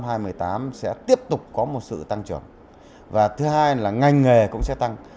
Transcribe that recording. chúng ta sẽ tiếp tục có một sự tăng trưởng và thứ hai là ngành nghề cũng sẽ tăng